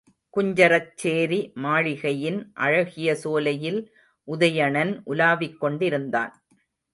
குஞ்சரச்சேரி மாளிகையின் அழகிய சோலையில் உதயணன் உலாவிக் கொண்டிருந்தான்.